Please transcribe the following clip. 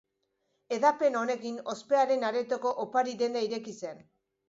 Hedapen honekin, Ospearen Aretoko opari denda ireki zen.